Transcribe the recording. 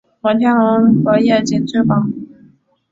摩天轮和夜景最棒了